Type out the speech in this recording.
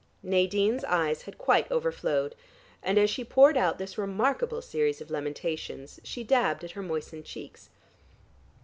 Nadine's eyes had quite overflowed, and as she poured out this remarkable series of lamentations, she dabbed at her moistened cheeks.